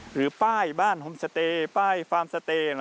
หรือป้ายบ้านโฮมสเตย์ป้ายฟาร์มสเตย์